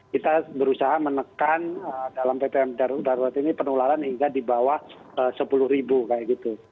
kita berusaha menekan dalam ptm darurat ini penularan hingga di bawah sepuluh ribu kayak gitu